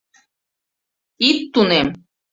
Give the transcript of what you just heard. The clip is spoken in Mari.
Ит тунем!